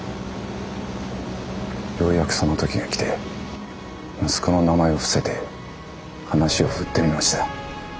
ようやくその時が来て息子の名前を伏せて話を振ってみました。